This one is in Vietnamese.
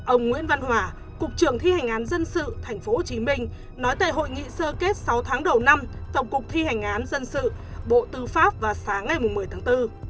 ông nguyễn văn hòa cục trưởng thi hành án dân sự tp hcm nói tại hội nghị sơ kết sáu tháng đầu năm tổng cục thi hành án dân sự bộ tư pháp vào sáng ngày một mươi tháng bốn